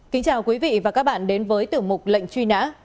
kính chào quý vị và các bạn đến với tiểu mục lệnh truy nã